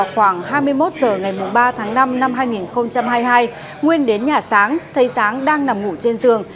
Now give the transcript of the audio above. khoảng hai mươi một h ngày ba tháng năm năm hai nghìn hai mươi hai nguyên đến nhà sáng thấy sáng đang nằm ngủ trên giường